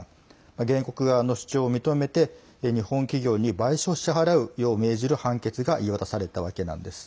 原告側の主張を認めて日本企業に賠償を支払うよう命じる判決が言い渡されたわけなんです。